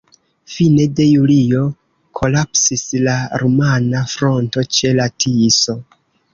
Fine de julio kolapsis la rumana fronto ĉe la Tiso.